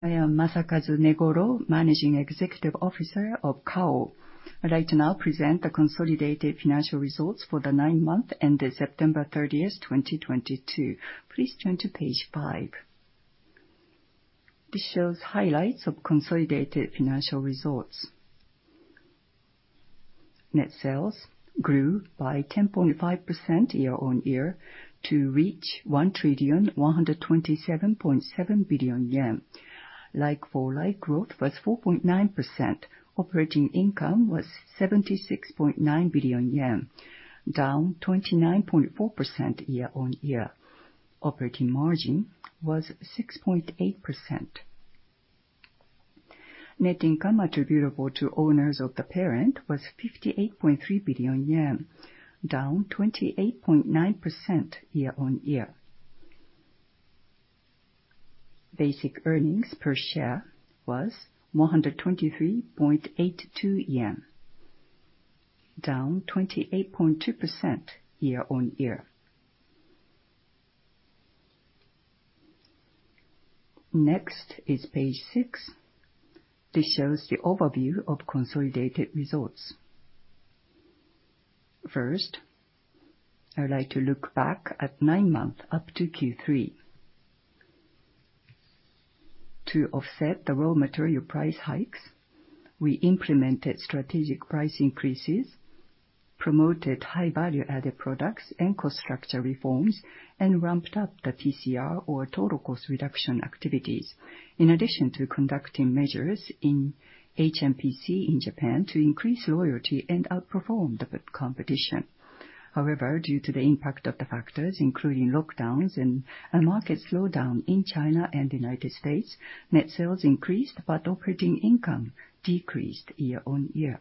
I am Masakazu Negoro, Managing Executive Officer of Kao. I'd like to now present the consolidated financial results for the nine-month ended September 30, 2022. Please turn to page five. This shows highlights of consolidated financial results. Net sales grew by 10.5% year-on-year to reach 1,127.7 billion yen. Like-for-like growth was 4.9%. Operating income was 76.9 billion yen, down 29.4% year-on-year. Operating margin was 6.8%. Net income attributable to owners of the parent was 58.3 billion yen, down 28.9% year-on-year. Basic earnings per share was 123.82 yen, down 28.2% year-on-year. Next is page six. This shows the overview of consolidated results. First, I would like to look back at nine months up to Q3. To offset the raw material price hikes, we implemented strategic price increases, promoted high value-added products and cost structure reforms, and ramped up the TCR, or total cost reduction activities, in addition to conducting measures in HMPC in Japan to increase loyalty and outperform the competition. However, due to the impact of the factors, including lockdowns and a market slowdown in China and the United States, net sales increased but operating income decreased year-on-year.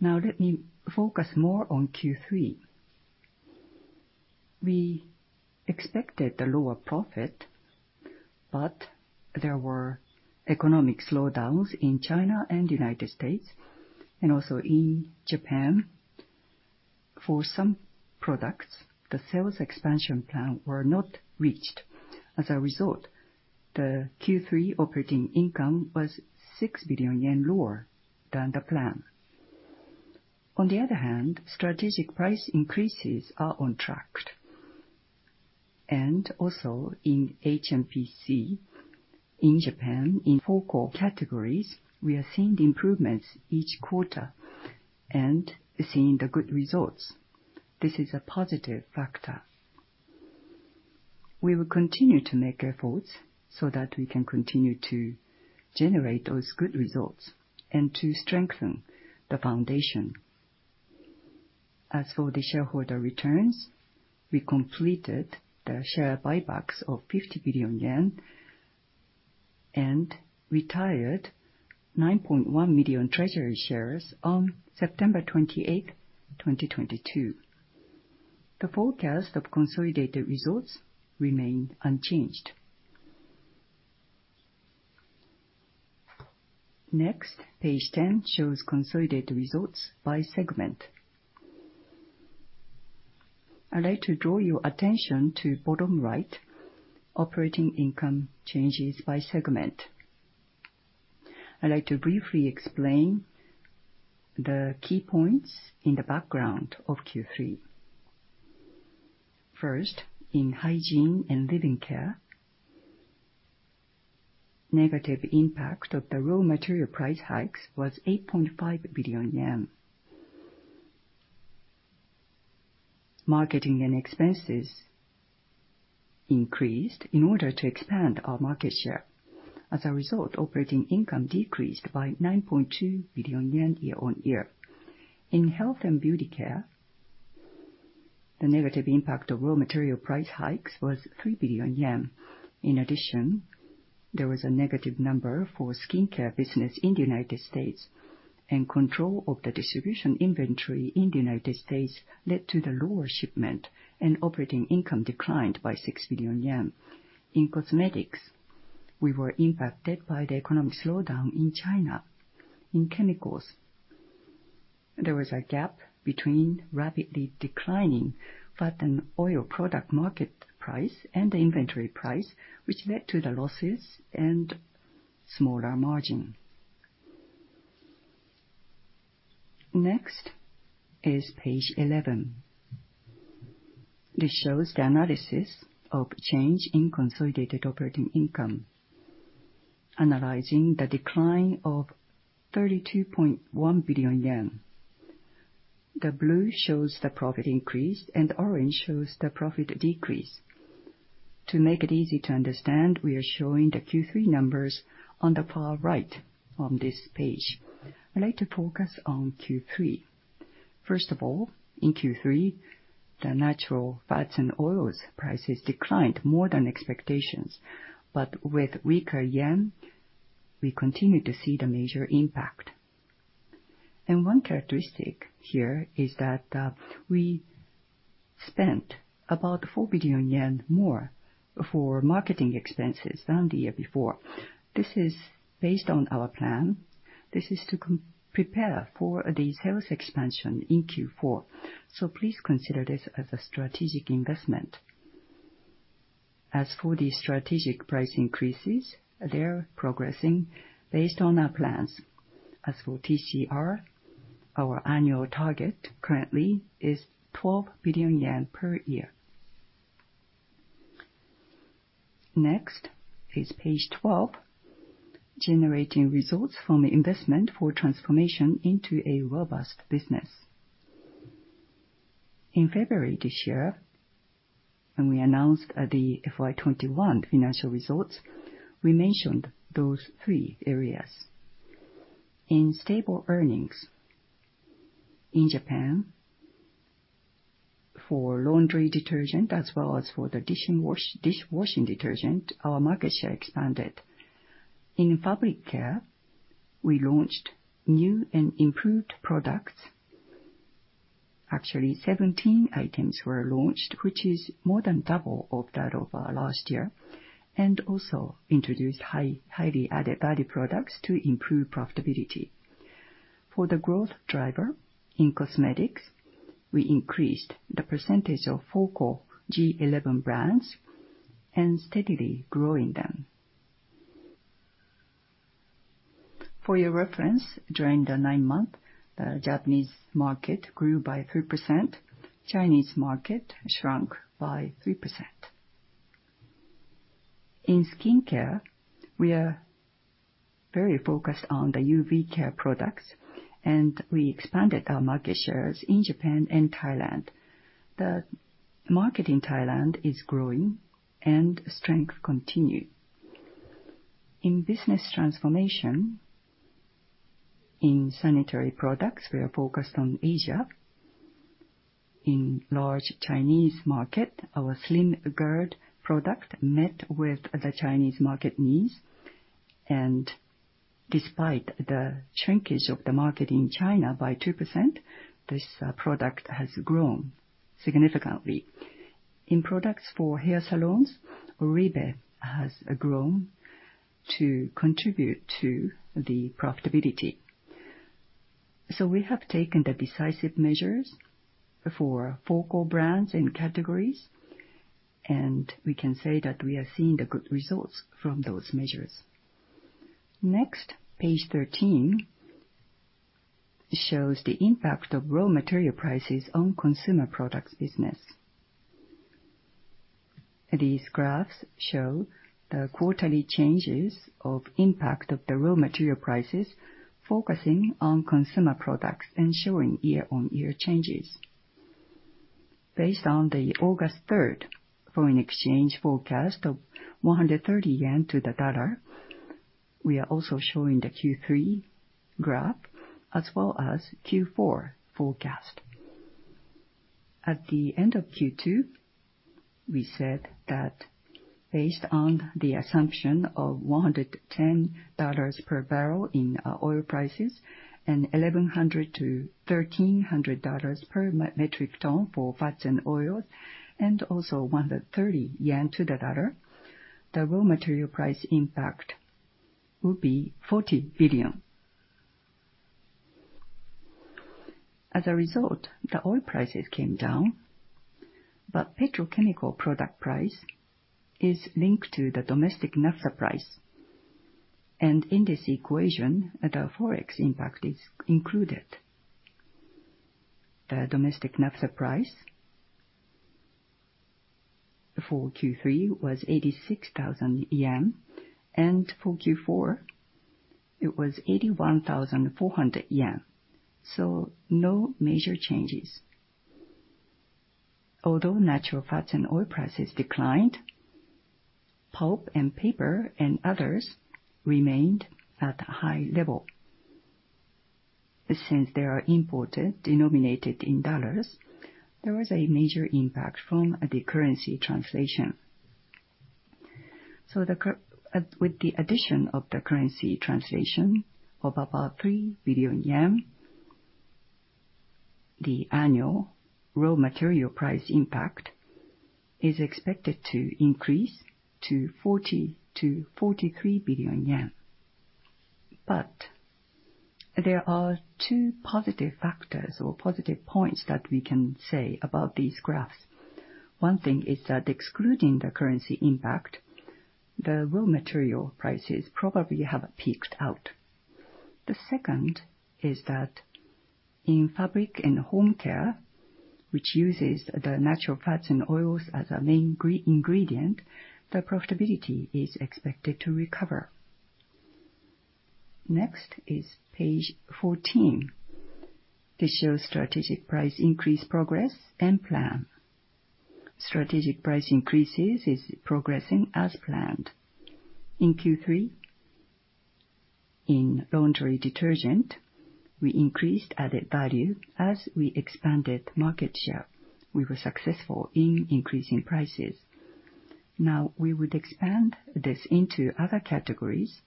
Now let me focus more on Q3. We expected a lower profit, but there were economic slowdowns in China and the United States, and also in Japan. For some products, the sales expansion plan were not reached. As a result, the Q3 operating income was 6 billion yen lower than the plan. On the other hand, strategic price increases are on track. Also in HMPC in Japan, in four core categories, we are seeing the improvements each quarter and seeing the good results. This is a positive factor. We will continue to make efforts so that we can continue to generate those good results and to strengthen the foundation. As for the shareholder returns, we completed the share buybacks of 50 billion yen and retired 9.1 million treasury shares on September 28, 2022. The forecast of consolidated results remain unchanged. Next, page 10 shows consolidated results by segment. I'd like to draw your attention to bottom right, operating income changes by segment. I'd like to briefly explain the key points in the background of Q3. First, in Hygiene and Living Care, negative impact of the raw material price hikes was 8.5 billion yen. Marketing expenses increased in order to expand our market share. As a result, operating income decreased by 9.2 billion yen year-on-year. In Health and Beauty Care, the negative impact of raw material price hikes was 3 billion yen. In addition, there was a negative number for skin care business in United States, and control of the distribution inventory in the United States led to the lower shipment and operating income declined by 6 billion yen. In cosmetics, we were impacted by the economic slowdown in China. In chemicals, there was a gap between rapidly declining fat and oil product market price and the inventory price, which led to the losses and smaller margin. Next is page 11. This shows the analysis of change in consolidated operating income, analyzing the decline of 32.1 billion yen. The blue shows the profit increase and orange shows the profit decrease. To make it easy to understand, we are showing the Q3 numbers on the far right on this page. I'd like to focus on Q3. First of all, in Q3, the natural fats and oils prices declined more than expectations. With weaker yen, we continue to see the major impact. One characteristic here is that, we spent about 4 billion yen more for marketing expenses than the year before. This is based on our plan. This is to prepare for the sales expansion in Q4, so please consider this as a strategic investment. As for the strategic price increases, they are progressing based on our plans. As for TCR, our annual target currently is 12 billion yen per year. Next is page 12, generating results from investment for transformation into a robust business. In February this year, when we announced the FY2021 financial results, we mentioned those three areas. In stable earnings in Japan for laundry detergent as well as for the dishwashing detergent, our market share expanded. In fabric care, we launched new and improved products. Actually 17 items were launched, which is more than double of that of last year, and also introduced highly added value products to improve profitability. For the growth driver in cosmetics, we increased the percentage of focal G11 brands and steadily growing them. For your reference, during the nine-month, the Japanese market grew by 3%, Chinese market shrunk by 3%. In skincare, we are very focused on the UV Care products, and we expanded our market shares in Japan and Thailand. The market in Thailand is growing and our strength continues. In business transformation in sanitary products, we are focused on Asia. In large Chinese market, our Slim Guard product met with the Chinese market needs. Despite the shrinkage of the market in China by 2%, this product has grown significantly. In products for hair salons, Oribe has grown to contribute to the profitability. We have taken the decisive measures for focal brands and categories, and we can say that we are seeing the good results from those measures. Next, page 13 shows the impact of raw material prices on consumer products business. These graphs show the quarterly changes of impact of the raw material prices, focusing on consumer products and showing year-on-year changes. Based on the August third foreign exchange forecast of 130 yen to the dollar, we are also showing the Q3 graph as well as Q4 forecast. At the end of Q2, we said that based on the assumption of $110 per barrel in oil prices and $1,100-$1,300 per metric ton for fats and oils, and also 130 yen to the dollar, the raw material price impact will be JPY 40 billion. As a result, the oil prices came down, but petrochemical product price is linked to the domestic naphtha price. In this equation, the Forex impact is included. The domestic naphtha price for Q3 was 86,000 yen, and for Q4 it was 81,400 yen. No major changes. Although natural fats and oil prices declined, pulp and paper and others remained at a high level. Since they are imported denominated in dollars, there was a major impact from the currency translation. With the addition of the currency translation of about 3 billion, the annual raw material price impact is expected to increase to 40 billion-43 billion yen. There are two positive factors or positive points that we can say about these graphs. One thing is that excluding the currency impact, the raw material prices probably have peaked out. The second is that in Fabric and Home Care, which uses the natural fats and oils as a main ingredient, the profitability is expected to recover. Next is page 14. This shows strategic price increase progress and plan. Strategic price increases is progressing as planned. In Q3, in laundry detergent, we increased added value as we expanded market share. We were successful in increasing prices. Now we would expand this into other categories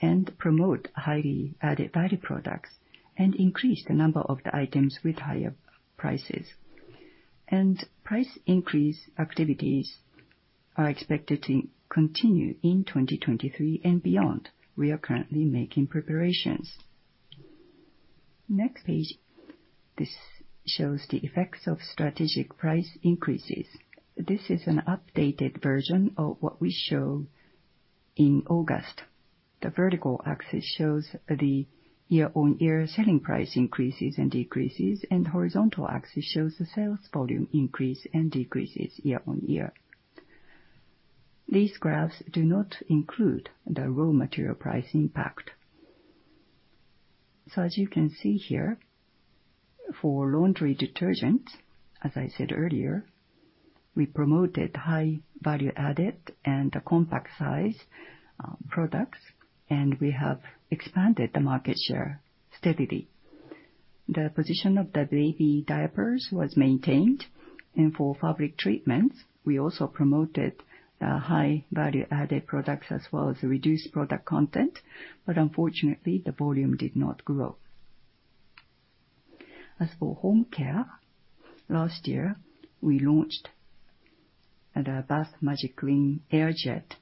and promote high value-added products and increase the number of the items with higher prices. Price increase activities are expected to continue in 2023 and beyond. We are currently making preparations. Next page. This shows the effects of strategic price increases. This is an updated version of what we show in August. The vertical axis shows the year-on-year selling price increases and decreases, and horizontal axis shows the sales volume increases and decreases year-on-year. These graphs do not include the raw material price impact. As you can see here, for laundry detergent, as I said earlier, we promoted high value-added and compact size products, and we have expanded the market share steadily. The position of the baby diapers was maintained. For fabric treatments, we also promoted the high value-added products as well as reduced product content. Unfortunately, the volume did not grow. As for home care, last year we launched the Bath Magiclean Air Jet,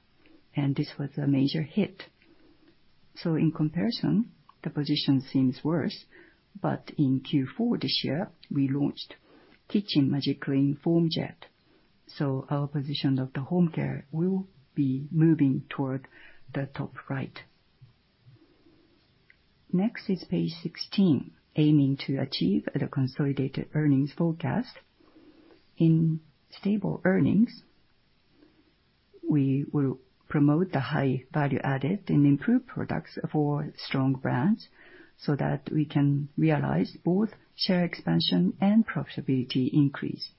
and this was a major hit. In comparison, the position seems worse, but in Q4 this year, we launched Kitchen Magiclean Foam Jet. Our position of the home care will be moving toward the top right. Next is page 16, aiming to achieve the consolidated earnings forecast. In stable earnings, we will promote the high value-added and improved products for strong brands so that we can realize both share expansion and profitability increase.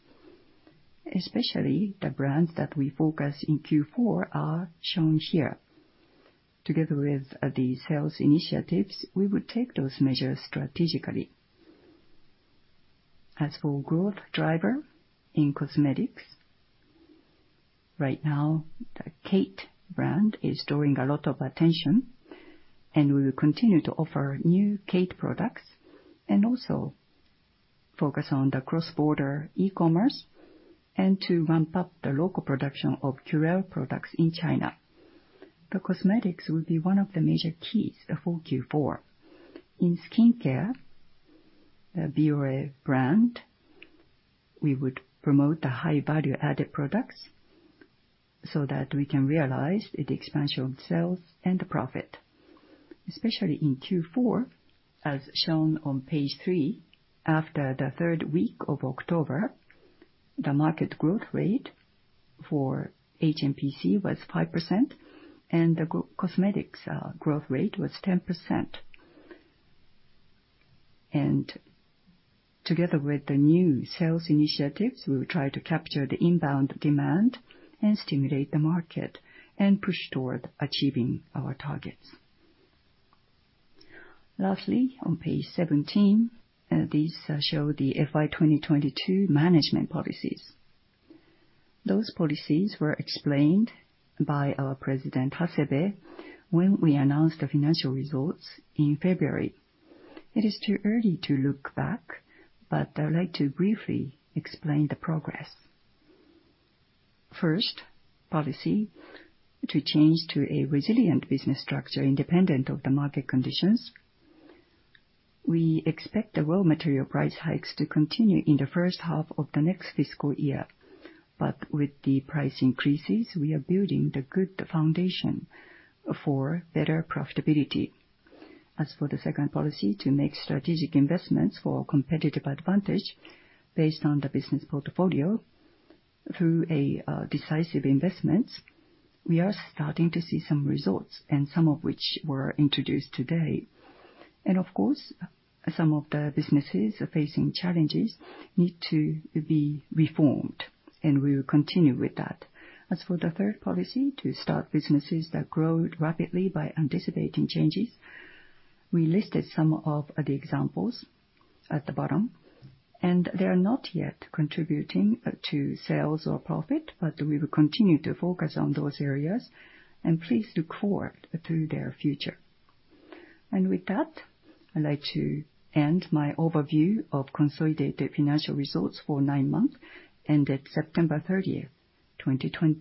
Especially the brands that we focus in Q4 are shown here. Together with the sales initiatives, we will take those measures strategically. As for growth driver in cosmetics, right now the KATE brand is drawing a lot of attention, and we will continue to offer new KATE products and also focus on the cross-border e-commerce and to ramp up the local production of Curél products in China. The cosmetics will be one of the major keys for Q4. In skincare, the Bioré brand, we would promote the high value-added products so that we can realize the expansion of sales and the profit. Especially in Q4, as shown on page three, after the third week of October, the market growth rate for HMPC was 5%, and the cosmetics growth rate was 10%. Together with the new sales initiatives, we will try to capture the inbound demand and stimulate the market and push toward achieving our targets. Lastly, on page 17, these show the FY 2022 management policies. Those policies were explained by our President Hasebe when we announced the financial results in February. It is too early to look back, but I would like to briefly explain the progress. First, policy to change to a resilient business structure independent of the market conditions. We expect the raw material price hikes to continue in the first half of the next fiscal year. With the price increases, we are building the good foundation for better profitability. As for the second policy to make strategic investments for competitive advantage based on the business portfolio through a decisive investments, we are starting to see some results, and some of which were introduced today. Of course, some of the businesses are facing challenges, need to be reformed, and we will continue with that. As for the third policy, to start businesses that grow rapidly by anticipating changes, we listed some of the examples at the bottom. They are not yet contributing to sales or profit, but we will continue to focus on those areas and please look forward to their future. With that, I'd like to end my overview of consolidated financial results for nine months ended September 30, 2022.